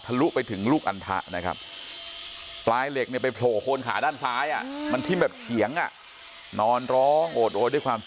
ทะลุไปถึงลูกอันทะนะครับปลายเหล็กเนี้ยไปโหโคนขาด้านซ้ายอ่ะ